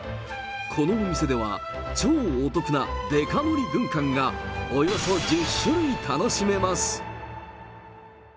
このお店では、超お得なでか盛り軍艦がおよそ１０種類楽しめます。